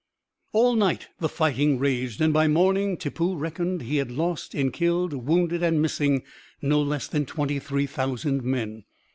All night the fighting raged, and by morning Tippoo reckoned he had lost, in killed, wounded, and missing, no less than 23,000 men.